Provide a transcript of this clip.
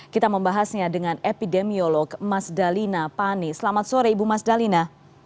kita membahasnya dengan epidemiolog mas dalina pane selamat sore ibu mas dalina